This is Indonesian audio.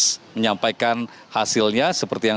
kepada pihak b dan juga perawat yang melakukan proses penjagaan